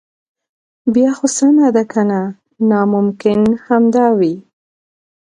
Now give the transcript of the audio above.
بیا خو سمه ده کنه ناممکن همدا وي.